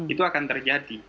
itu akan terjadi